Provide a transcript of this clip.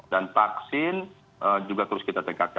dan vaksin juga terus kita tegakkan